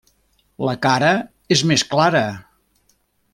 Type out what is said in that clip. La cara és més clara.